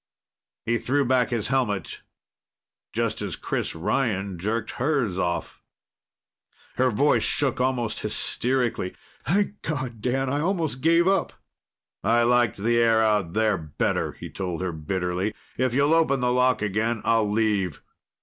He threw back his helmet just as Chris Ryan jerked hers off. Her voice shook almost hysterically. "Thank God. Dan, I almost gave up!" "I liked the air out there better," he told her bitterly. "If you'll open the lock again, I'll leave.